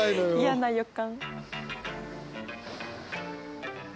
嫌な予感。